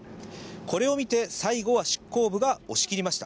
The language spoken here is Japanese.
これを見て最後は執行部が押しきりました。